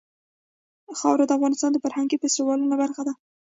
خاوره د افغانستان د فرهنګي فستیوالونو برخه ده.